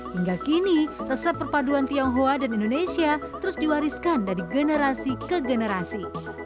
hingga kini resep perpaduan tionghoa dan indonesia terus diwariskan dari generasi ke generasi